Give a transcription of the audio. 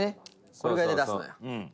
これぐらいで出すのよ。